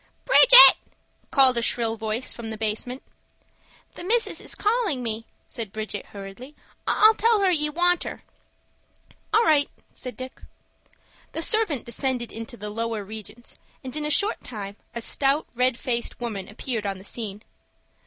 "Bridget!" called a shrill voice from the basement. "The missus is calling me," said Bridget, hurriedly. "I'll tell her ye want her." "All right!" said Dick. The servant descended into the lower regions, and in a short time a stout, red faced woman appeared on the scene.